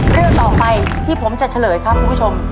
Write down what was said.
เรื่องต่อไปที่ผมจะเฉลยครับคุณผู้ชม